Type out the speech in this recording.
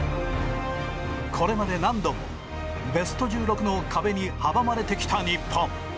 これまで何度もベスト１６の壁に阻まれてきた日本。